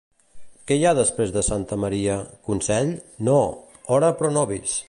Què hi ha després de Santa Maria? Consell? No: «Ora pro nobis»!